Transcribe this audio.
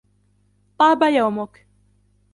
طاب يومك.